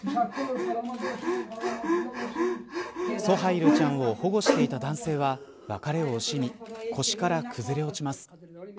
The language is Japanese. ソハイルちゃんを保護していた男性は別れを惜しみ腰から崩れ落ちます。